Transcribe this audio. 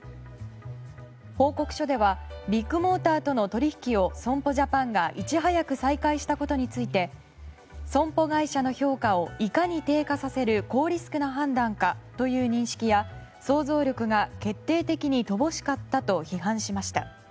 報告書ではビッグモーターとの取引を損保ジャパンがいち早く再開したことについて損保会社の評価をいかに低下させる高リスクな判断かという認識や想像力が決定的に乏しかったと批判しました。